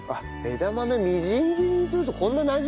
枝豆みじん切りにするとこんななじむのね。